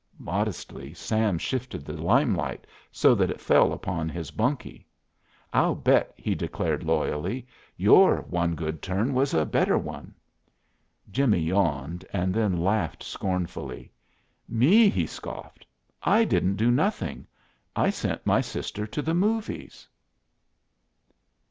Modestly Sam shifted the limelight so that it fell upon his bunkie. "I'll bet," he declared loyally, "your 'one good turn' was a better one!" Jimmie yawned, and then laughed scornfully. "Me," he scoffed, "I didn't do nothing. I sent my sister to the movies."